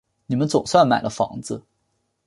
你们总算买了房子